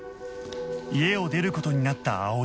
家を出る事になった葵